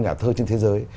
nhà thơ trên thế giới